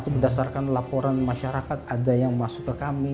berdasarkan laporan masyarakat ada yang masuk ke kami